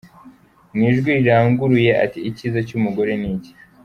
Mu ijwi riranguruye ati”Icyiza cy’umugore ni iki?